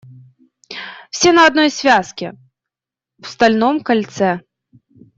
Все на одной связке, в стальном кольце.